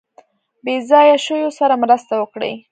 بې ځایه شویو سره مرسته وکړي.